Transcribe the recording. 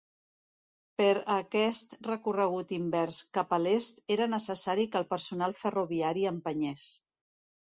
Per a aquest recorregut invers cap a l'est era necessari que el personal ferroviari empenyés.